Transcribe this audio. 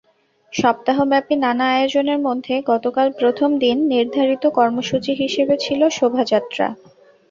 সপ্তাহব্যাপী নানা আয়োজনের মধ্যে গতকাল প্রথম দিন নির্ধারিত কর্মসূচি হিসেবে ছিল শোভাযাত্রা।